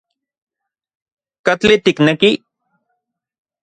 ¿Katli tikneki?